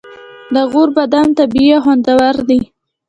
د غور بادام طبیعي او خوندور دي.